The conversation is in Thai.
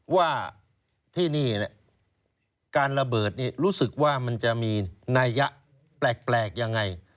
ว่าที่นี่การระเบิดนี่รู้สึกว่ามันจะมีนัยยะแปลกยังไง